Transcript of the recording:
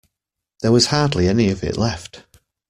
There was hardly any of it left.